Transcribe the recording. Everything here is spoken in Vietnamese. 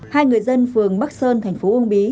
hai người dân phường bắc sơn thành phố uông bí